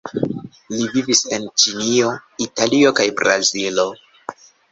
Li vivis en Ĉinio, Italio kaj Brazilo.